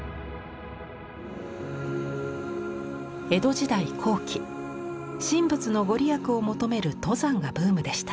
江戸時代後期神仏の御利益を求める登山がブームでした。